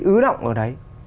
ứ động ở đấy